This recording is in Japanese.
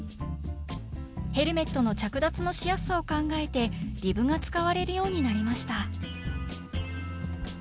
ヘルメットの着脱のしやすさを考えてリブが使われるようになりました